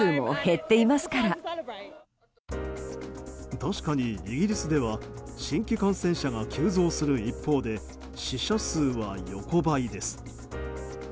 確かに、イギリスでは新規感染者が急増する一方で死者数は横ばいです。